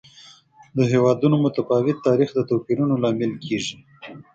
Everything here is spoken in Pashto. د هېوادونو متفاوت تاریخ د توپیرونو لامل کېږي.